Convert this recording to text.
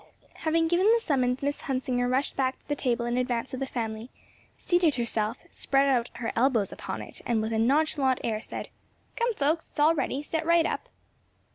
Having given the summons Miss Hunsinger rushed back to the table in advance of the family, seated herself, spread out her elbows upon it and with a nonchalant air said, "Come, folks, it's all ready; set right up."